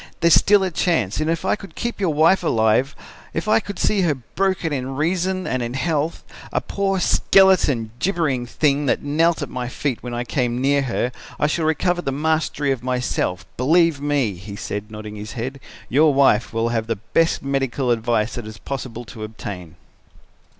There is still a chance and if I could keep your wife alive, if I could see her broken in reason and in health, a poor, skeleton, gibbering thing that knelt at my feet when I came near her I should recover the mastery of myself. Believe me,' he said, nodding his head, 'your wife will have the best medical advice that it is possible to obtain.'